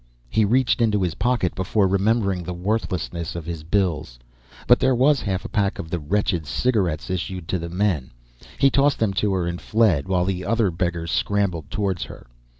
He reached into his pocket, before remembering the worthlessness of his bills. But there was half a pack of the wretched cigarettes issued the men. He tossed them to her and fled, while the other beggars scrambled toward her.